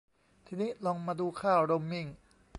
ที่นี้ลองมาดูค่าโรมมิ่ง